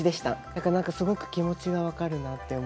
だからなんかすごく気持ちが分かるなって思いますし。